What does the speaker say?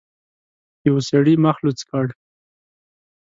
يوه سړي مخ لوڅ کړ.